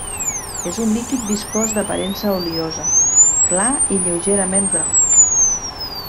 És un líquid viscós d'aparença oliosa, clar i lleugerament groc.